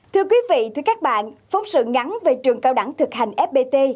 thưa quý vị thưa các bạn phóng sự ngắn về trường cao đẳng thực hành fpt